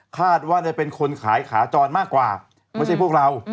ว่าจะเป็นคนขายขาจรมากกว่าไม่ใช่พวกเรา